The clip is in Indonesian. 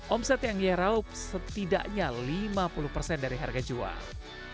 omset yang nyerah setidaknya lima puluh dari harga jual